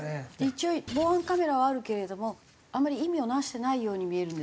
一応防犯カメラはあるけれどもあんまり意味をなしてないように見えるんですけど。